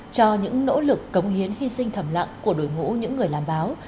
cho những nỗ lực cống hiến hy sinh thầm lặng của đội ngũ những người làm báo